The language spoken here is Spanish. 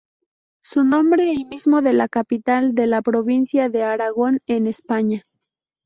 Su nombre el mismo de la capital de la provincia de Aragón en España.